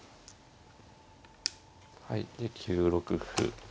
はいで９六歩。